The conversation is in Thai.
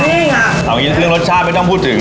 เอางี้เรื่องรสชาติเรื่องรสชาติไม่ต้องพูดถึง